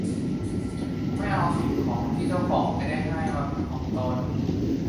ไม่เอาสิ่งของที่เจ้าของไม่ได้ให้มาเป็นของตน